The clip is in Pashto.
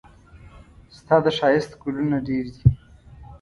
ستا د ښايست ګلونه ډېر دي.